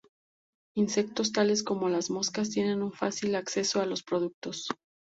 Insectos tales como moscas tienen un fácil acceso a los productos.